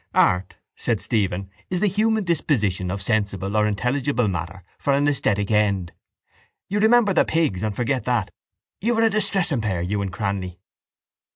—Art, said Stephen, is the human disposition of sensible or intelligible matter for an esthetic end. You remember the pigs and forget that. You are a distressing pair, you and Cranly.